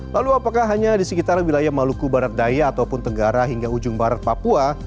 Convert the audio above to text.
lalu apakah hanya di sekitar wilayah maluku barat daya ataupun tenggara hingga ujung barat papua